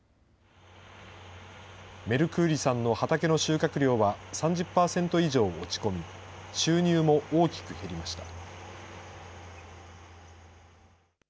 メルクーリさんの畑の収穫量は３０％以上落ち込み、収入も大きく減りました。